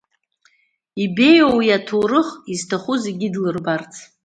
Ибеиоу уи аҭоурых изҭаху зегьы идлырбарц.